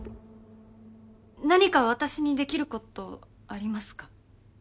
何か私にできることありますか？